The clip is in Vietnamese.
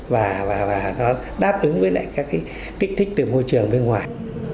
và nó đáp ứng với các cái kích thích từ môi trường bên ngoài